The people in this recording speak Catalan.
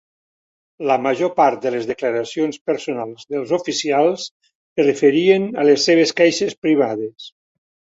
La major part de les declaracions personals dels oficials es referien a les seves queixes privades.